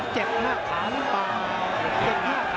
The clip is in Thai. เจ็บหน้าขาหรือเปล่า